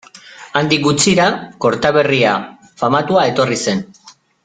Handik gutxira, Kortaberria famatua etorri zen.